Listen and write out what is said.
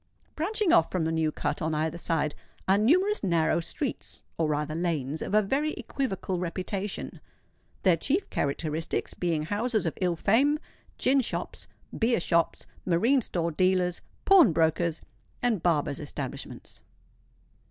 Branching off from the New Cut, on either side, are numerous narrow streets,—or rather lanes, of a very equivocal reputation; their chief characteristics being houses of ill fame, gin shops, beer shops, marine store dealers, pawnbrokers, and barbers' establishments.